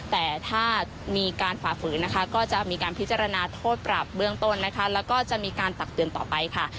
แต่ถ้ามีการฝ่าฝืนนะคะก็จะมีการพิจารณาโทษปรับเบื้องต้นนะคะแล้วก็จะมีการตักเตือนต่อไปค่ะ